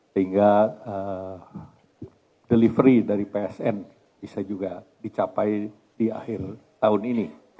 sehingga delivery dari psn bisa juga dicapai di akhir tahun ini